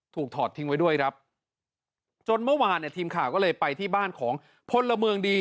ถอดทิ้งไว้ด้วยครับจนเมื่อวานเนี่ยทีมข่าวก็เลยไปที่บ้านของพลเมืองดี